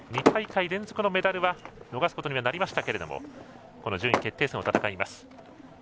２大会連続のメダルは逃すことにはなりましたがこの順位決定戦を戦います。